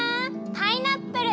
パイナップル！